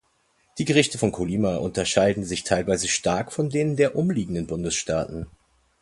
Die Gerichte von Colima unterscheiden sich teilweise stark von den der umliegenden Bundesstaaten.